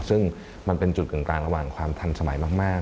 ซึ่งมันเป็นจุดกลางระหว่างความทันสมัยมาก